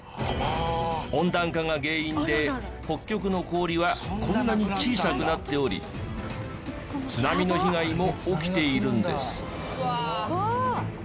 温暖化が原因で北極の氷はこんなに小さくなっており津波の被害も起きているんです。